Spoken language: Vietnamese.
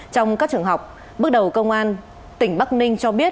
trong các trường học bước đầu công an tỉnh bắc ninh cho biết